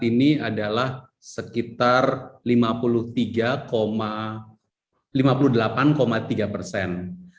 ini adalah sekitar lima puluh tiga lima puluh delapan tiga persen